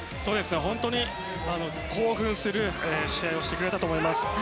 本当に興奮している試合をしてくれたと思います。